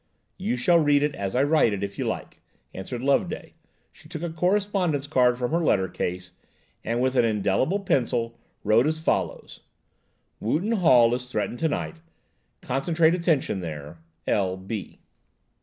"You shall read it as I write it, if you like," answered Loveday. She took a correspondence card from her letter case, and, with an indelible pencil, wrote as follows– "Wooton Hall is threatened to night–concentrate attention there. "L. B."